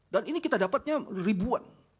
dan ini kita dapatnya ribuan